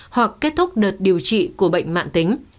hoặc kết thúc đợt điều trị của bệnh mạng tính